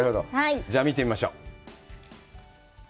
じゃあ見てみましょう。